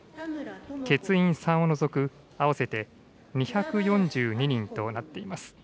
欠員３を除く、合わせて２４２人となっています。